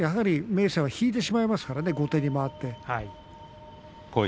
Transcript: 明生は引いてしまいますからね、後手にまわって。